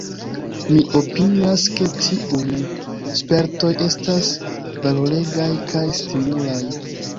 Mi opinias ke tiuj spertoj estas valoregaj kaj stimulaj.